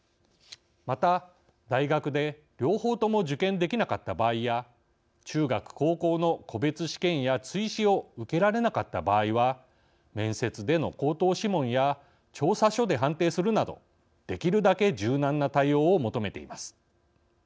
また、大学で両方とも受験できなかった場合や中学・高校の個別試験や追試を受けられなかった場合は面接での口頭試問や調査書で判定するなどできるだけ柔軟な対応を求めています。